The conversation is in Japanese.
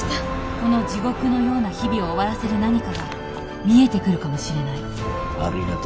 この地獄のような日々を終わらせる何かが見えてくるかもしれないありがと